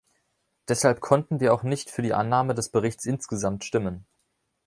Deshalb konnten wir auch nicht für die Annahme des Berichts insgesamt stimmen.